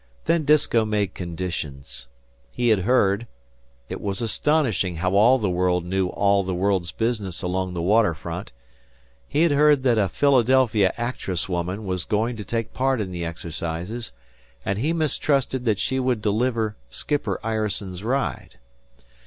Then Disko made conditions. He had heard it was astonishing how all the world knew all the world's business along the water front he had heard that a "Philadelphia actress woman" was going to take part in the exercises; and he mistrusted that she would deliver "Skipper Ireson's Ride."